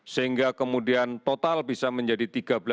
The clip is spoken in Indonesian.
sehingga kemudian total bisa menjadi tiga belas dua ratus tiga belas